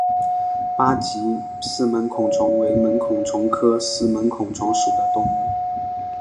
八棘四门孔虫为门孔虫科四门孔虫属的动物。